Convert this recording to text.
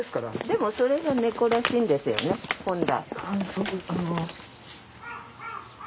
でもそれが猫らしいんですよね本来。